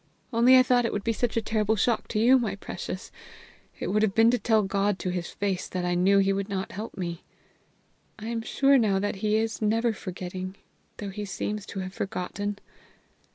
Only I thought it would be such a terrible shock to you, my precious! It would have been to tell God to his face that I knew he would not help me. I am sure now that he is never forgetting, though he seems to have forgotten.